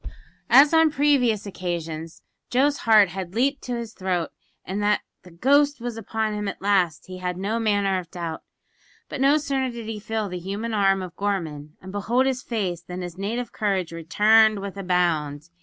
As on previous occasions, Joe's heart had leaped to his throat, and that the ghost was upon him "at last" he had no manner of doubt; but no sooner did he feel the human arm of Gorman and behold his face than his native courage returned with a bound.